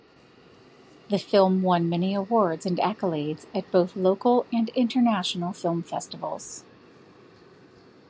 The film won many awards and accolades at both local and international film festivals.